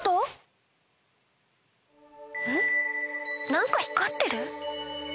なんかひかってる？